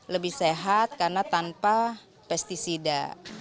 lebih sehat karena tanpa pesticida